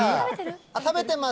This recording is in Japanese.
食べてます。